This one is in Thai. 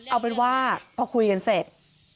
เอาเป็นว่าพอคุยกันเสร็จ